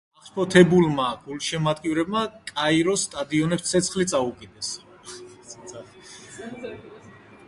მალევე აღშფოთებულმა გულშემატკივრებმა კაიროს სტადიონებს ცეცხლი წაუკიდეს.